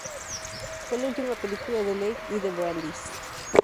Fue la última película de Leigh y de Brandis.